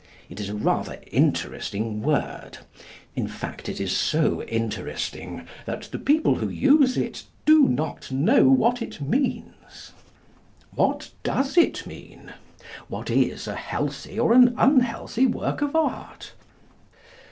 It is a rather interesting word. In fact, it is so interesting that the people who use it do not know what it means. What does it mean? What is a healthy, or an unhealthy work of art?